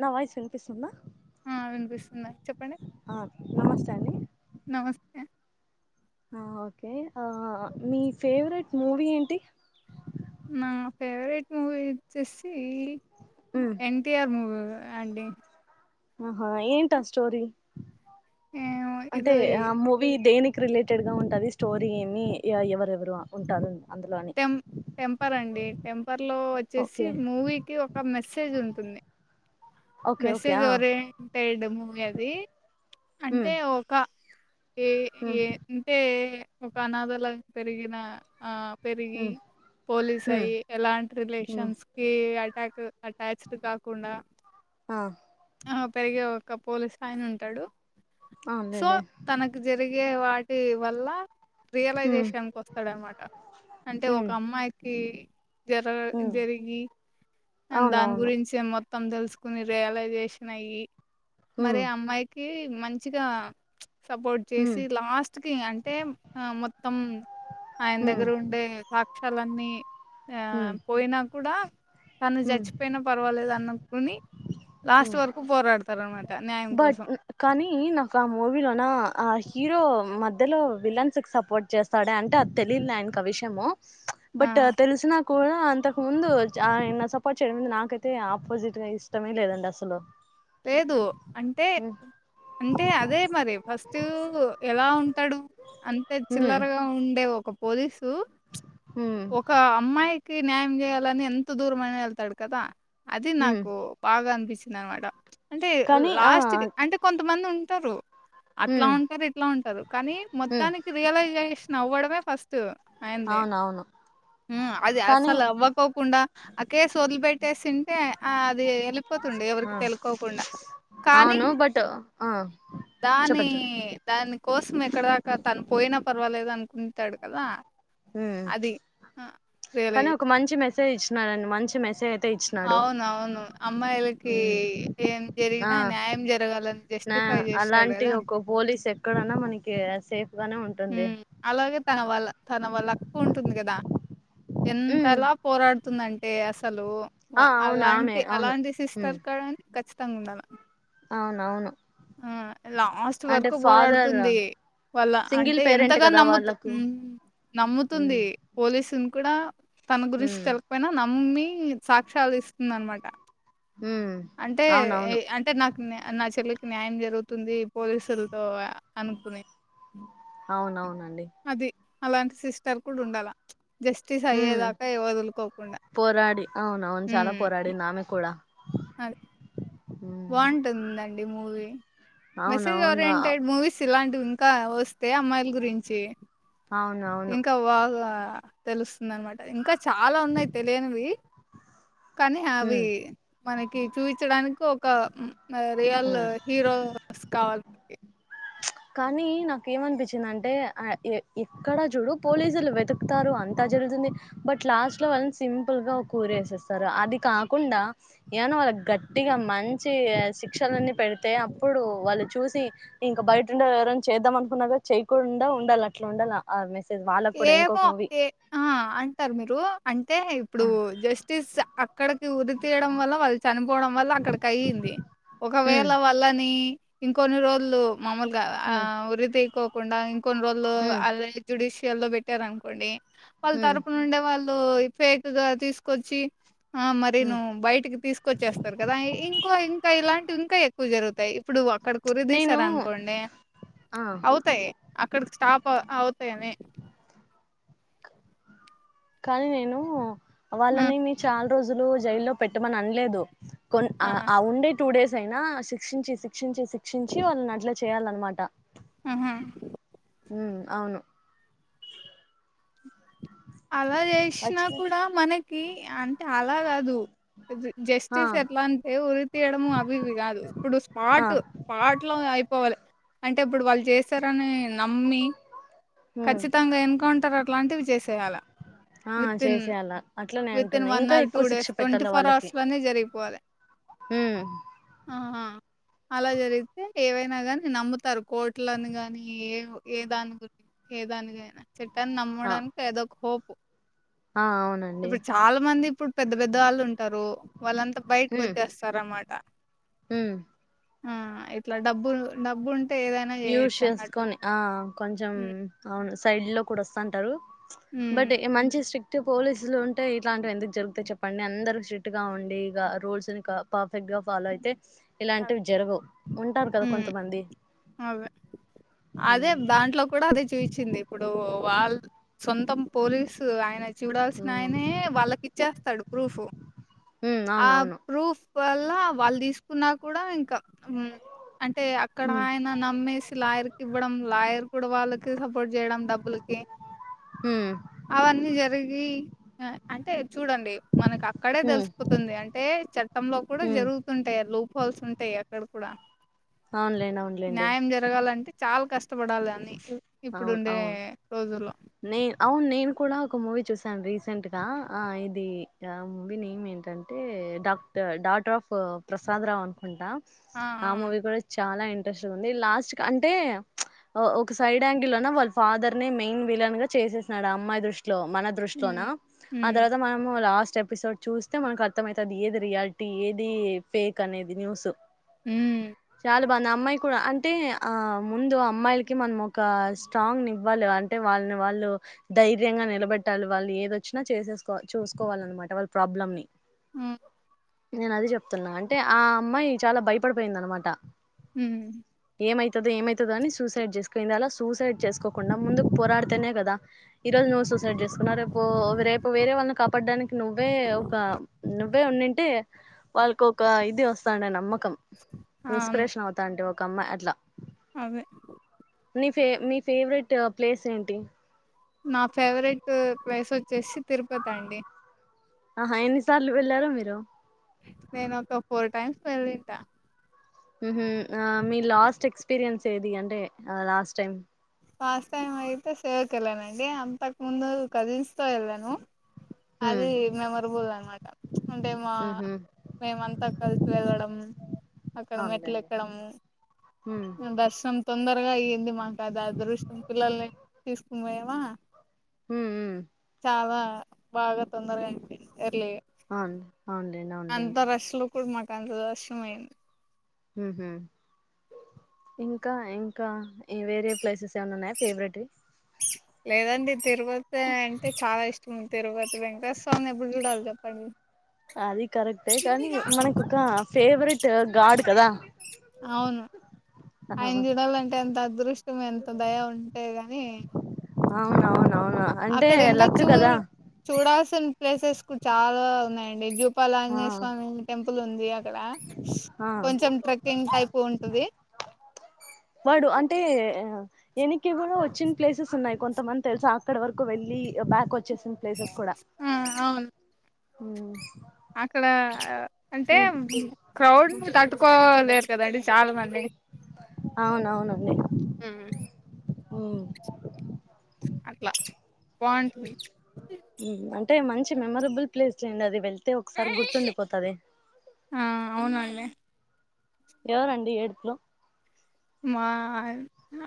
నా వాయిస్ వినిపిస్తుందా. ఉమ్ ఆహ్ చెప్పండె. ఆ నమస్తే అండి నమస్తే. ఆహ్ ఓకే ఆహ్ మీ ఫేవరెట్ మూవీ ఏంటి. నా ఫేవరెట్ మూవీ వచ్చేసి ఉమ్, ఎన్టీఆర్ మూవ్. అండి. ఆహా ఏంటి ఆస్టోరీ ఏమో ఇది అంటే ఆ మూవీ దేని. రిలేటెడ్ గా ఉంటాది స్టోరీ అన్ని ఆహ్ ఎవరెవరు ఉంటారు. అందులో అని టెం టెంపర్ అండి టెం. పర్ లో వచ్చేసి ఓకే మూవీకి ఒక మెసేజ్ ఉంటుంది. ఓకే ఓకే మెసేజ్ ఆ ఓరియంటెడ్ మూవీ అది హ్మ్ అంటే ఒక్క. ఏ హ్మ్ ఏ అంటే ఒక అనాథలా పెరిగిన ఆహ్. పెరిగి హ్మ్ పోలీస్ హ్మ్ అయ్యి ఎలాంటి హ్మ్ రిలేషన్స్ కి. అట్ అటాచ్డ్ కాకుండా. ఆహ్. ఆహ్ పెరిగే ఒక పోలిసైన ఉంటాడు సో అవునులేండి తనకు జరిగే. ఏ వాటి వల్ల. హ్మ్ రియలైజేషన్కి ఓస్తాడనమాట అంటే హ్మ్ ఒక అమ్మాయికి. జరగ హ్మ్ జరిగి దాని అవునవును గురించే మొత్తం తెలుసుకోని రియలైజే. నయి హ్మ్ మరి అమ్మాయికి మంచిగా. సపోర్ట్ హ్మ్ జేసి లాస్ట్ కి అంటే ఆహ్ మొత్తం. ఆయన హ్మ్ దగ్గరుండే సాక్ష్యాలన్నీ ఆహ్ హ్మ్ పోయినా కూడా. తను హ్మ్ చచ్చిపోయినా పర్వాలేదు అన్నుకొని లాస్ట్ హ్మ్ వరకు పోరాడతాడనమాట. బట్ కానీ నాక్ ఆ మూవీలోనా ఆహ్. హీరో మధ్యలో విలన్స్ కి సపోర్ట్ చేస్తాడే అంటే అది తెలియదులే ఇంకా ఆ విషయము. ప్చ్ ఆ! బట్ తెలిసినా. కుడా అంతకు ముందు అంటే ఆయన సపోర్ట్ చేయడం నాకైతే ఆపోజిట్ గా ఇష్టమే లేదండి అసలు. లేదు అంటే ఉమ్ అంటే అదే మరి ఫస్ట్ ఎలా ఉమ్. ఉంటడు అంతే ఉమ్ చిల్లరగా ఉండే ఒక పోలీస్. ఉమ్ ఒక అమ్మాయికి న్యాయం చేయాలని ఎంత దూరమైన వెళ్తాడు కదా. అది ఉమ్ నాకు బాగా అనిపించిందనమాట అంటే కానీ ఆ లాస్ట్ కి అంటే కొంతమంది ఉమ్. ఉంటారు అట్లా ఉమ్ ఉంటారు ఇట్లా ఉంటారు కానీ ఉమ్ మొత్తానికి రియలైజై. నవ్వడమే ఫస్ట్ ఆయనది అవునవును ఉమ్ అది కానీ అసలు అవ్వకోకుండా. ఆ కేస్ ఓదిలి పెట్టేసింటే ఆ అది ఏళ్ళిపోతుండే ఆ ఎవరికి తెలుకో అవును బట్ అ దాని దాని కోసం ఎక్కడదాకా. తను పోయిన పర్వాలేదు అనుకుంటాడు కదా. ఉమ్ అది కానీ రియలైజ్ ఒక మంచి మెసేజ్ ఇచ్చినారండి మంచి మెసేజ్ అయితే ఇచ్చినాడు అవునవును అమ్మాయిలకి ఉమ్ ఏం జరిగినా న్యాయం జరగాలని అ జస్టిస్ అలాంటి ఒక పోలీస్ ఎక్కడున్నా మనకి సేఫ్ గానే ఉంటుంది ఉమ్ అలాగే తన వళ్ళ తన వళ్ళ అక్క ఉంటుంది కదా ఉమ్ ఎంతలా పోరాడుతుందంటే అస అసలు ఆ వ అవును ఆమె అలాంటి అవును అలాంటి సిస్టర్ కడన్ ఖచ్చితంగా ఉండాల అవును అవును లాస్ట్ వరకు ఫాదర్ పోరాడుతుంది వల సింగిల్ అంటే పేరెంట్ ఎంతగా కదా నమ్ముతు వాళ్ళకు మ్ నమ్ముతుంది ఉమ్ పోలీసున్ కూడా తన గురించి ఉమ్ తెలికపోయినా నమ్మి సాక్ష్యాలు తీసుక్ ఉందనమాట ఉమ్ అంటే ఎ అవునవును అంటే నాకు న్య నా చెల్లి న్యాయం జరుగుతుంది పోలీసులతో అనుకునే అవునవునండి అది అలాంటి సిస్టర్ కూడా ఉండాల జస్టిస్ ఉమ్ అయ్యేదాకా ఇ వదులుకోకుండా పోరాడి అవునవును చాలా ఉమ్ పోరాడింది ఆమె కూడా అది ఉమ్ బాగుంటుందండి మూవీ మెసేజ్ అవునవును ఓరియెంటెడ్ మూవీస్ ఇలాం డుంకా వస్తే అమ్మాయిల గురించి అవునవును ఇంకా వాళ్ళ తెలుస్తుందనమాట ఇంకా చాలా ఉన్నాయి తెలియనివి కానీ అవి ఉమ్ మనకి చూయించడానికి ఒక మ రియల్ ఉమ్ హీరో స్కాల్ప్ కి కానీ నాకేమనిపించిందంటే అ ఎ ఎక్కడ చూడు పోలీసులు వెతుకుతారు అంత జరుగుతుంది బట్ లాస్ట్ లో వాళ్ళని సింపుల్ గా ఒక ఉరి వేసేస్తారు అది కాకుండా ఏవన్నా గట్టిగా మంచి ఇగ శిక్షలన్ని పెడితే అప్పుడు వాళ్ళు చూసి ఇంక బయట అండ్ ఎవరన్న చేద్దాం అనుకున్నాగా చేయకుండా ఉండాల అట్లా ఉండాల ఆ మె ఏమో ఏ అ అంటారు మీరు అంటే ఇప్పుడు జస్టిస్ అక్ అక్కడికి ఉరి తీయడం వాళ్ళ వాళ్ చనిపోవడం వల్ల అక్కడికి అయింది హ్మ్ ఒకవేళ వళ్ళని ఇంకొన్ని రోల్లు మామూలగా ఆ హ్మ్ ఉరి తీకోకుండా ఇంకొన్ని రోజులు హ్మ్ అదే జుడిష్ యల్లో పెట్టారనుకోండి వాళ్ళ హ్మ్ తరపు నుండే వాళ్ళు ఫేక్ గా తీసుకొచ్చి ఆ మరి హ్మ్ నువ్వు బయటికి తీసుకొచ్చేస్తారు కదా ఇ ఇంకో ఇంకా ఇలాంటివి ఇంకా ఎక్కువ జరుగుతాయి ఇప్పుడు ఒక్కడికి ఉరి నేను తీసారనుకోండి ఆ అవుతాయి అక్కడికి స్టాప్ అ అవుతాయని కానీ నేను హ్మ్. వాళ్ళని నేన్ చాలా రోజులు జైల్లో పెట్టమని అనలేదు కొన్ ఆ అ ఉండేది టూ డేస్ అయినా శిక్షించి శిక్షించి శిక్షించి వాళ్ళని అట్లా చేయాలన్నమాట ఉమ్ హు ఉమ్ అవును అలా చేశినా యాక్చువలీ కూడా మనకి అంటే అలాగాదు ఇజ్ ఆ జస్టిస్ ఎట్లా అంటే ఉరి తీయడము అవి ఇవి కాదు ఇప్పుడు ఆ స్పాట్ స్పాట్ లో అయిపోవాలి అంటే ఇప్పుడు వాళ్ళు చేస్తారని నమ్మి ఉమ్ ఖచ్చితంగా ఎన్కౌంటర్ అట్ అట్లాంటివి చేసేయాల ఆ వితిన్ చేసేయాల అట్లనే వితిన్ అంటున్నా వన్ ఇంకా అవర్ టూ ఎక్కువ శిక్ష డేస్ ట్వంటీ పెట్టాలి ఫోర్ వాళ్ళకి అవర్స్ లోనే జరిగిపోవలి ఉమ్ అలా జర్ తే ఏవైనా గాని నమ్ముతరు కోట్లు అన్ గానీ ఏవో ఏ దాని గు ఏదాన్ కైనా చట్టన్ ఆ నమ్మడాన్ కి ఏదో ఒక్ హోప్ ఆ ఔను ఇప్పుడ్ చాలా మంది ఇప్పుడ్ పెద్ద పెద్ద వాళ్ళు ఉంటారు వాళ్ళంతా బైటిక్ ఓచ్చేస్తారన్నమాట ఉమ్ ఇట్లా డబ్బుల్ డబ్బున్ యూశ్ శేశ్ కొని ఆ కొంచమ్ ఉమ్ ఔను సైడ్ లో కూడా వస్తాంటరు చ్ బడ్ డే ఉమ్ మంచ్ శ్రీస్ట్ ట్ పోలీసులు ఉంటే ఇట్లాంట్ వి ఎందుక్ జర్ గుతయి చెప్పండి అందర్ శ్రీస్ట్ గా ఉండి ఇగ రూల్స్ నీ క పఫెక్ట్ ఇగ ఫాలో అయితే ఇలాంటివి జరుగావ్ ఉంటారు కదా కొంతమంది అవే అదే దాంట్లో కూడా అదే చుయిచింది ఇపుడు వాళ్ సొంతం పోలీసు ఆయన చూడాల్సిన ఆయనే వాళ్ళక్ ఇచ్చేస్తాడు ప్రూఫు ఉమ్ ఆ అవునవును ప్రూఫ్ వల్ల వాళ్ దిస్ కున్నా కూడా ఇంకా ఉమ్ అంటే అక్కడ ఉమ్ ఆయన నమ్మేసి లాయర్ కి ఇవ్వడం లాయర్ కూడా వాళ్ళక్ సపోర్ట్ చేయడం డబ్బులుకి ఉమ్ అవన్నీ జరిగి అ అంటే చూడండి మనకక్కడే దెల్ ఉమ్ స్ కుతుంది అంటే చట్టంలో కూడ ఉమ్ జర్ గుతుంటాయి లూప్ హోల్స్ ఉంటాయి అక్కడ్ కుడా అవునులేండి న్యాయం జరగాలంటే చాల్ కష్ట్ ఔన్ ఔన్ రోజుల్లో నేన్ ఔన్ నేన్ కూడా ఒక మూవీ చూస్ తన్ రీసెంట్ గా అ ఇది ఆ మూవీ నేమ్ ఏంటంటే డాక్ టర్ డట్ రాఫూ ఓ ప్రసాద్ రావ్ అన్ కుంటా ఆ మూవీ కుడ చాలా ఇంన్ ట్రెస్ట్ ఉంది లాస్టు క్ అంటే ఒ ఒక సైడ్ యాంగిల్ లోన వాళ్ ఫాదర్ నీ మెన్ విలన్ గా చేసేస్ నాడు ఆ అమ్మాయి దృష్ ట్లో మన దృస్ట్ లోన హ్మ్ ఆ హ్మ్ తరత మనము లాస్ట్ చేపిసోడ్ చూస్తే మనక్ అర్థమైతది ఏది రియాలిటీ ఏది ఫేక్ అనేది న్యూస్ హ్మ్ చాల్ బాఉంది ఆ అమ్మాయి కూడ అంతే ఆ ముందు అమ్మాయిల్ కి మన్ మొక ఒక స్ట్రాంగ్ నీవ్వాలి అంటే వాల్ ని వాళ్ళు ధైర్యంగా నిలబెట్టాలి వాళ్ళు ఏదోచ్ నా చేసేస్ కాల్ చూస్ కోవాల్ నన్ మాట వాళ్ ప్రాబ్ లమ్ నీ ఉమ్ నేన్ అది జేప్ తున్నా అంటే ఆ అమ్మాయి చాలా భయ్ పడ్ పోయింద్ అన్ మాట ఉమ్ ఏమైతది ఏమైతదో అని సూసైడ్ జేస్ క పొంది అలా సూసైడ్ చేసుకోకుండా ముందుక్ పోరాడ్ తేనే గదా ఈ రోజ్ నువ్ సుసైడ్ జెస్ కున్నవ్ రేపూ రేపు వేరే వాళ్ళని కాప్ పడ్డానికి నువ్వే ఒక నువ్వే ఉంనింటే వాళ్ కోక ఇది వస్ తాండే నమ్మక్ కం ఇన్స్ ప్రేషన్ అవుతాంటి ఒక అమ్మా అట్లా అదె నీ ఫే నీ ఫేఫ్ రెటు ప్లేస్ ఏంటి నా ఫేఫ్ రెటు వయిసు ఓచ్చేసి తిరుపతండి ఆహా ఎన్ని సార్లు వెళ్ళారు మీరు నేను ఒక ఫోరు టైమ్స్ వెళ్ళింట ఉహుహ్ ఆ మీ లాస్ట్ ఎక్స్ పిరియన్స్ ఏది అంటే ఆ లాస్ట్ టైం లాస్ తైమ్ అయితే సేవ్ కెలనండి అంతక్ ముందు కజిన్స్ ఏళ్ళను ఉమ్ అది మెమరబుల్ అన్ మాట చ్ అంటే మా ఉహు మేమంతా కల్ స్ వెళ్ళడం అక్కడ అవునులేండి మెట్లేకడము ఉమ్ దర్ సన్ తొందర్ తొరగా అయ్యింది మాక్ అ అద్ అదృష్టం పిల్లల్ని తీస్ కొన్ వోయవ మ్ మ్ అవా బాగా తొందరగయింది అండ్ ఔన్ లేండ్ ఔన్ లేండి ఇపుడ్ మాక్ అంత్ దాష్ మో అయిన్ ఉహ్మ్ ఇంకా ఇంకా ఇ వేరే ప్లేసెస్ ఏవన్నవున్నాయ ఫేవరెట్ వీ లేదండి తిరుపతే అంటే చాలా ఇష్టం ఉ తిరుపతి వెంక టెస్ స్వామిని ఎప్పుడ్ జుడాల్ జప్పండి అది కరక్టే కానీ మనక్ ఒక ఫేవ రేటు గాడ్ కదా ఔను అయిన్ చూడాలంటే ఎంత అదృష్టం ఎంత దయ ఉంటే గాని అవునవును అక్కడ ఇంకా చూ చూడాల్సిన్ ప్లేసెస్ కు చాలా ఉన్నాయండి జూ ఆ పాలంగే స్వామి టెంపుల్ ఉంది అక్కడ ఆ కొంచెం ట్రెక్కింగ్ టైపు ఉంటది వాడు అంటే ఎనిక్కీగూడ ఒచ్చిన్ ప్లేసెస్ ఉన్నాయి కొంతమంది తెల్సా అక్కడ్ వరకు వెళ్ళి బ్యాకొ చ్చేసిన్ ప్లేసెస్ కూడా ఆ అవును అక్కడ అ అంటే క్రౌడ్ ని తట్టుకోలేరు కదండి చాల్ మంది అవునవునండి ఊమ్ ఊమ్ అట్లా బావుంటది ఉమ్ అంటే మంచి మేమరాబుల్ ప్లేస్ ఏ అండి అది వెళ్ తే ఒక్సారి గుర్తుండిపోతాది మె ఎవరు అండి ఏడ్ప్ లో మా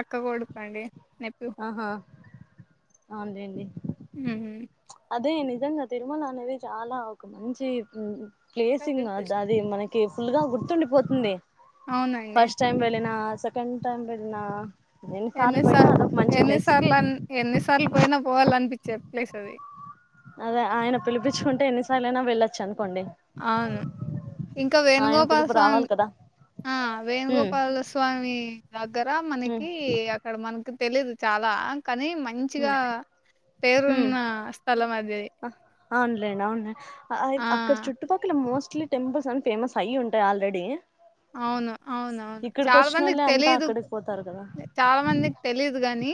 అక్క కొడుక్కండి ఆహా అన్ జెండి ఊమ్ అదే నిజంగా తిరుమల అనేది చాలా ఒక మంచి ఉమ్ ప్లేసింగ్ అద్ అది మనకి కేఫుల్ గా గుర్తుండిపోతుంది అవునండి ఫస్ట్ టైం వెళ్ళిన సెకండ్ టైం వెళ్ళినా రెండ్ సార్లు పోయిన అదో ఎన్నిసార్ల్ అన్ ఎన్నిసార్లు పోయినా పోవాల్ అనిపించే ప్లేస్ అది అదే ఆయన పిలిపిచ్కుంటే ఎన్నిసార్లైనా వెళ్ళొచ్చ్ అని అవును ఇంకా ఆయన వేణుగోపాల్ పిలుపు స్వామి రావాలి కదా ఆ ఉమ్ వేణుగోపాల స్వామి దగ్గర ఉమ్ మనకి అక్కడ్ మనకి తెలీదు చాలా కానీ ఉమ్ మంచిగా ఉమ్ పేరున్న స్థలం అది అవునులేండి అవునులే అయి ఆ అక్కడ్ చుట్టుపక్కల మోస్ స్ట్లి టెంపుల్స్ అన్ ఫేమస్ అయి ఉంటాయి ఆల్రెడీ అవును అవునవును ఇక్కడికి చాలా మందికి వచ్చినోళ్ళే అంతా తెలీదు అక్కడికి పోతారు కదా చాలా మందిక్ తెలీదు గాని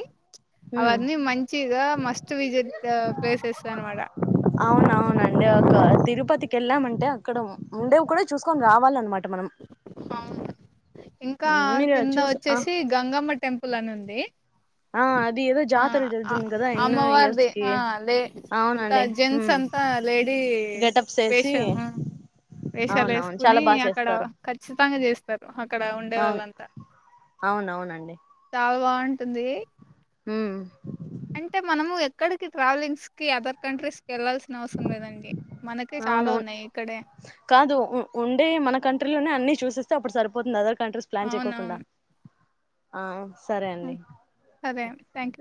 ఉమ్ అవన్నీ మంచిగా మస్ట్ విజిట్ ప ప్లేసెస్ అన్మాట అవున అవునండి ఒక తిరుపతిక్ ఎళ్ళామంటే అక్కడ ఉండేవ్ కూడా చూస్కోన్ రావాలన్మాట అవును ఇంకా మీరు కింద చూసి ఆ ఓచ్చేసి గంగమ్మ టెంపుల్ అని ఉం ది ఆ అద్ ఏదో జాతర జరుతుంది కదా ఎన్నో అమ్మవారిది ఇయర్స్కి ఆ లే అంతా జెంట్స్ అంతా లేడీ గేటప్స్ ఏసి వేషాల్ అవునవును వేస్కుని చాలా బాగా అక్కడ చేస్తారు ఖచ్చితంగా చేస్తార్ అక్కడ ఉండే అవును వాళ్ళంతా అవునవునండి అంటుంది ఉమ్ అంటే మనము ఎక్కడికి ట్రావెలింగ్స్ కి అదర్ కంట్రీస్ ఏళ్ళాల్సిన అవసరం లేదండి మనకే అవును చాలా ఉన్నాయి ఇక్కడే కాదు ఉ ఉండే మన కంట్రీలోనే అన్ని చూసేస్ స్తె అప్పుడ్ సరిపోతుంది అదర్ కంట్రీస్ ప్లాన్ చేకొకుండా అవునవును. ఆ సరే హ్మ్. అండి సరే ఒకె థ్యాంక్ యూ.